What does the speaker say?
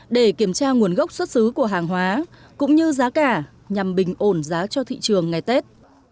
để kiểm tra nguồn gốc xuất xứ của hàng hóa cũng như giá cả nhằm bình ổn giá cho thị trường ngày tết